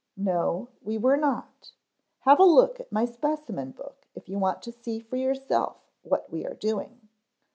"No we were not. Have a look at my specimen book if you want to see for yourself what we are doing."